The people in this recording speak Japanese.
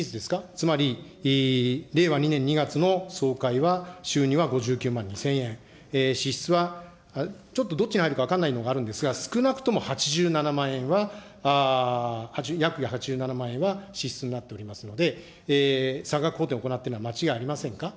つまり、令和２年２月の総会は、収入は５９万２０００円、支出はちょっとどっちに入るか分かんないのがあるんですが、少なくとも８７万円は、約８７万円は支出になっておりますので、差額補填を行っているのは間違いありませんか。